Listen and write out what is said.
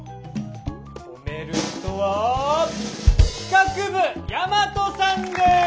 褒める人は企画部大和さんです。